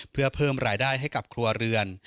เพื่อเพิ่มรายได้ให้กับครัวเรือน